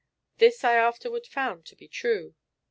This I afterward found to be true.